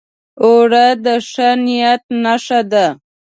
اوړه د ښه نیت نښه ده